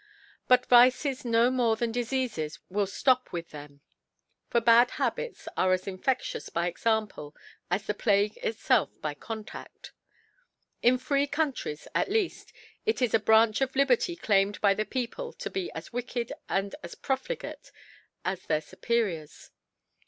But Vices no more than Dil'eafes will ftop with them \ for bad Habifs arc as infeftious by Example, as the Plague icfelf by Contadl. In free Coun tries, at leaP; it is a Branch of Liberty claimed by the People to be as wicked and as profligate as their Superiors.